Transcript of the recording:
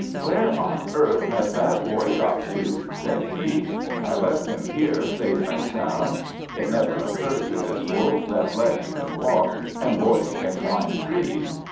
"Where on earth has that Boy got to?" said he; "I left him here safe and sound." It never occurred to this Wolf that legs can walk, and Boys can climb trees.